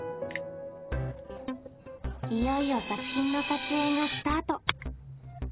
いよいよ作品の撮影がスタート！